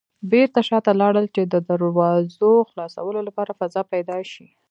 بېرته شاته لاړل چې د دراوزو خلاصولو لپاره فضا پيدا شي.